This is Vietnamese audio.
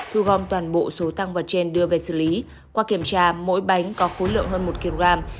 thu gom toàn bộ số tăng vật trên đưa về xử lý qua kiểm tra mỗi bánh có khối lượng hơn một kg